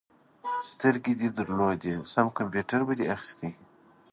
سترګې دې درلودې؛ سم کمپيوټر به دې اخيست.